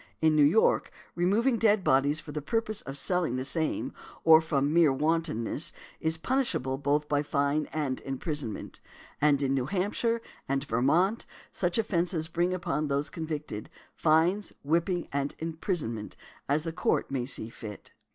In New York, removing dead bodies "for the purpose of selling the same," or "from mere wantonness," is punishable by both fine and imprisonment . And in New Hampshire and Vermont such offences bring upon those convicted, fines, whipping, and imprisonment, as the Court may see fit.